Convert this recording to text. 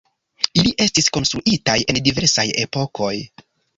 Ili estis konstruitaj en diversaj epokoj.